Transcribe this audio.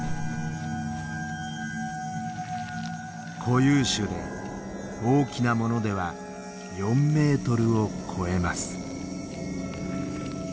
固有種で大きなものでは４メートルを超えます。